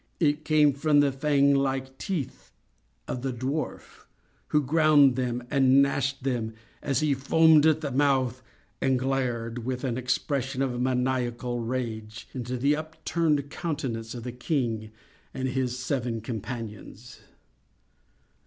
It came from the fang like teeth of the dwarf, who ground them and gnashed them as he foamed at the mouth, and glared, with an expression of maniacal rage, into the upturned countenances of the king and his seven companions.